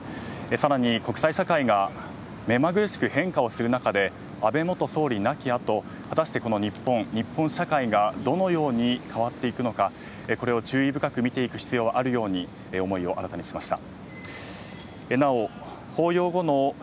さらに国際社会が目まぐるしく変化をする中で安倍元総理亡き後果たしてこの日本、日本社会がどのように変わっていくのかこれを注意深く見ていく必要があるように思いを新たにしました。